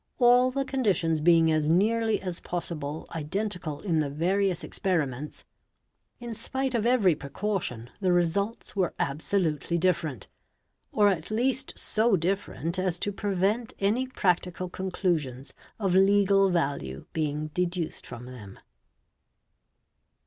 all the conditions being as nearly as possible identical in the various experinients, in spite of every precaution the results were absolutely different, or at least so different as to prevent any practical conclusions of+legal value being deduced from them.